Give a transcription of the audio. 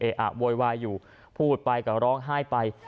อะโวยวายอยู่พูดไปก็ร้องไห้ไป